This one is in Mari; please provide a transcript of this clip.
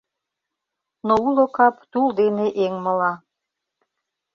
Но уло кап тул дене эҥмыла